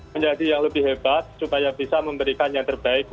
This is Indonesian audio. menjadi yang lebih hebat supaya bisa memberikan yang terbaik